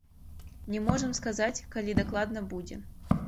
Не можам сказаць, калі дакладна будзе.